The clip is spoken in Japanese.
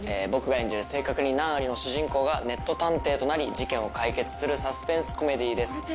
僕が演じる性格に難ありの主人公がネット探偵となり事件を解決するサスペンスコメディーです。